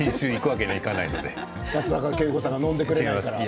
松坂慶子さんが飲んでくれないから。